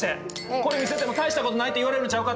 これ見せても大したことないって言われるんちゃうか？